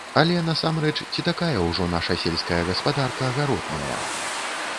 Але, насамрэч, ці такая ўжо наша сельская гаспадарка гаротная?